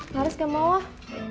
harus ke bawah